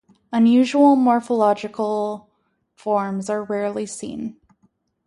Unusual morphological forms are rarely seen.